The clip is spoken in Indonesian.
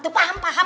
tuh paham paham